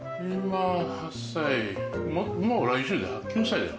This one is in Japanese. もう来週で９歳だよ。